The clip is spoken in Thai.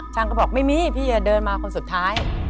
ก็บอกไม่มีพี่จะเดินมาคนสุดท้าย